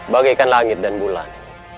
bagikan langit dan bulan